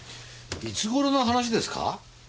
いつ頃の話ですか？